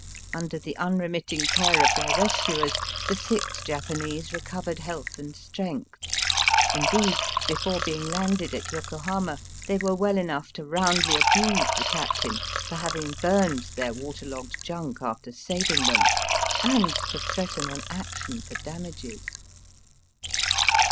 Under the unremitting care of their rescuers the six Japanese recovered health and strength. Indeed, before being landed at Yokohama, they were well enough to roundly abuse the captain for having burned their waterlogged junk after saving them, and to threaten an action for damages.